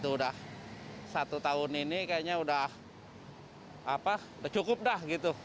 udah satu tahun ini kayaknya udah cukup dah gitu